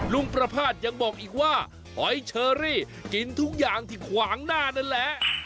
ลุงประพาทยังบอกอีกว่าหอยเชอรี่กินทุกอย่างที่ขวางหน้านั่นแหละ